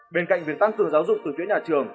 bên cạnh việc tăng cường giáo dục từ phía nhà trường